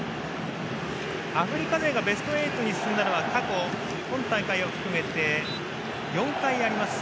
アフリカ勢がベスト８に進んだのは過去、今大会を含めて４回あります。